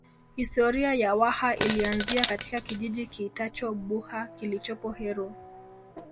Historia ya Waha ilianzia katika kijiji kiitwacho Buha kilichopo Heru